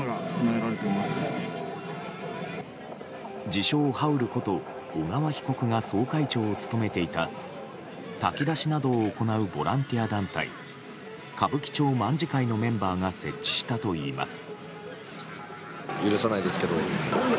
自称ハウルこと小川被告が総会長を務めていた炊き出しなどを行うボランティア団体歌舞伎町卍会のメンバーが設置したといいます。